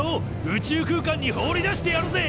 宇宙空間に放り出してやるぜ！